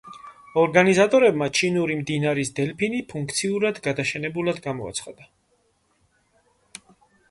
ორგანიზატორებმა ჩინური მდინარის დელფინი ფუნქციურად გადაშენებულად გამოაცხადა.